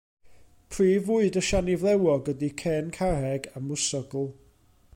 Prif fwyd y siani flewog ydy cen carreg a mwsogl.